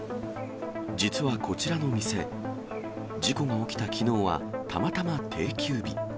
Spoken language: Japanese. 実はこちらの店、事故が起きたきのうは、たまたま定休日。